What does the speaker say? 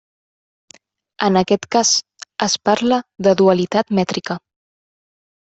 En aquest cas es parla de dualitat mètrica.